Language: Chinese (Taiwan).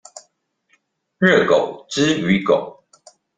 熱狗之於狗